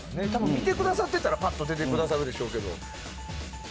見てくださってたらパッと出てくださるでしょうけど。